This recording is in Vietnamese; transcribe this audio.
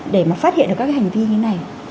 để mà phát hiện được các cái hành vi như này